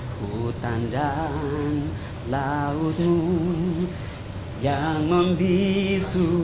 hutan dan lautmu yang membisu